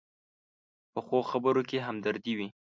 پخو خبرو کې همدردي وي